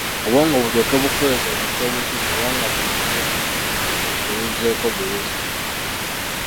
Obwongo bulyoke bukuweereze buli ky’obutuma oba nga buli kimu okiwuzeeko buwuzi .